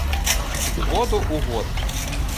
З году ў год.